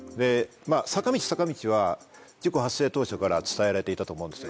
坂道坂道は事故発生当初から伝えられていたと思うんですよ。